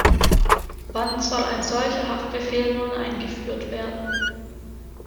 Wann soll ein solcher Haftbefehl nun eingeführt werden?